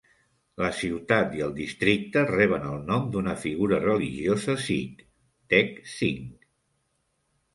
La ciutat i el districte reben el nom d'una figura religiosa sikh, Tek Singh.